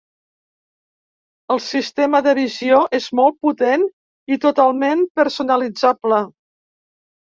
El sistema de visió és molt potent i totalment personalitzable.